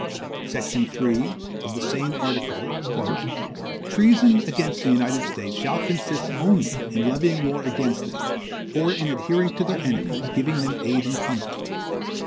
Section 3, of the same article "Treason against the United States shall consist only in levying war against them, or in adhering to their enemies, giving them aid and comfort.